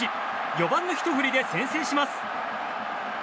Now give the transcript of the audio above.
４番のひと振りで先制します。